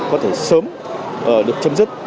có thể sớm được chấm dứt